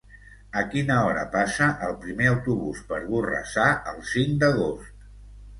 A quina hora passa el primer autobús per Borrassà el cinc d'agost?